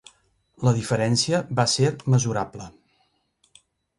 La diferència va ser mesurable.